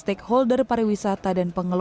gede ke kanada hilo bago secara sangat tinggi